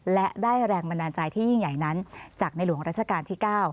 และได้แรงบันดาลใจที่ยิ่งใหญ่นั้นจากในหลวงราชการที่๙